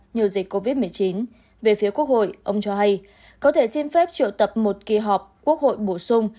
như dịch covid một mươi chín về phía quốc hội ông cho hay có thể xin phép triệu tập một kỳ họp quốc hội bổ sung